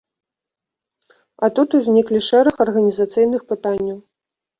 А тут узніклі шэраг арганізацыйных пытанняў.